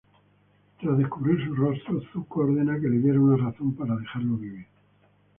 Tras descubrir su rostro, Zuko ordena que le diera una razón para dejarlo vivir.